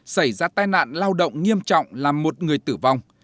xảy ra tai nạn lao động nghiêm trọng làm một người tử vong